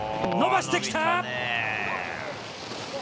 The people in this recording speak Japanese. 伸ばしてきた。